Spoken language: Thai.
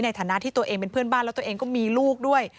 ในฐานะที่ตัวเองเป็นเพื่อนบ้านแล้วตัวเองก็มีลูกด้วย